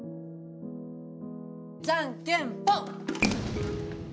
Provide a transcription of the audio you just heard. じゃんけんぽん！